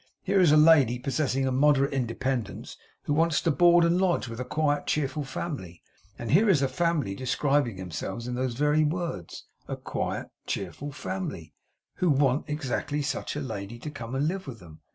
Here is a lady possessing a moderate independence, who wants to board and lodge with a quiet, cheerful family; and here is a family describing themselves in those very words, "a quiet, cheerful family," who want exactly such a lady to come and live with them.